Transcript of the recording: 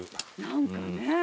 何かね。